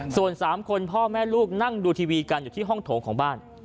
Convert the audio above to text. ส่วน๓คนพ่อแม่ลูกนั่งดูทีวีกันอยู่ที่ห้องโถงของบ้าน